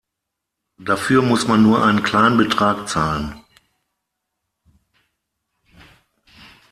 Dafür muss man nur einen kleinen Betrag zahlen.